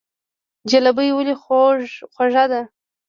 جلبي ولې خوږه ده؟